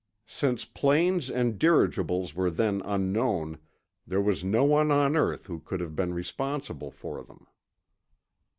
Since planes and dirigibles were then unknown, there was no one on earth who could have been responsible for them.